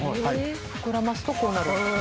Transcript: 膨らますとこうなる？